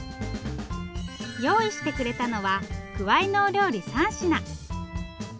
用意してくれたのはくわいのお料理３品。